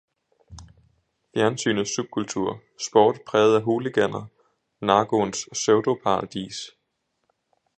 Fjernsynets subkultur, sport præget af hooliganer, narkoens pseudoparadis.